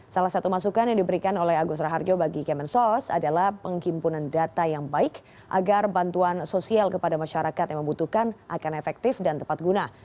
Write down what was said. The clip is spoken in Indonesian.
salah satu masukan yang diberikan oleh agus raharjo bagi kemensos adalah penghimpunan data yang baik agar bantuan sosial kepada masyarakat yang membutuhkan akan efektif dan tepat guna